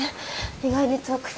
意外に遠くて。